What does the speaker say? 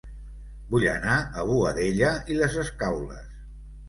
Vull anar a Boadella i les Escaules